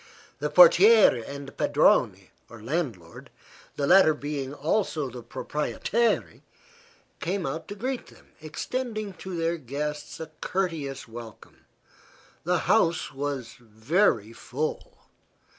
The portiere and the padrone, or landlord the latter being also the proprietaire came out to greet them, extending to their guests a courteous welcome. The house was very full.